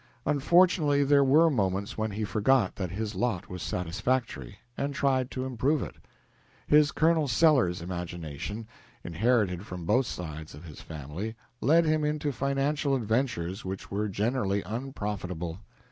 Unfortunately, there were moments when he forgot that his lot was satisfactory, and tried to improve it. His Colonel Sellers imagination, inherited from both sides of his family, led him into financial adventures which were generally unprofitable.